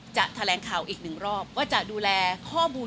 แถลงข่าวอีกหนึ่งรอบว่าจะดูแลข้อมูล